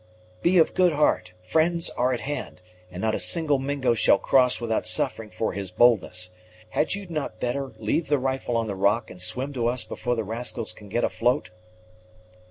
"Be of good heart friends are at hand, and not a single Mingo shall cross without suffering for his boldness. Had you not better leave the rifle on the rock, and swim to us before the rascals can get afloat?"